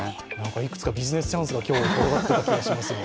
いくつかビジネスチャンスが転がっていたような気がします。